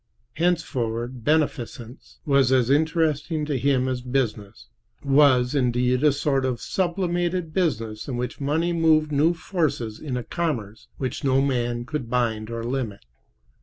Henceforward beneficence was as interesting to him as business—was, indeed, a sort of sublimated business in which money moved new forces in a commerce which no man could bind or limit.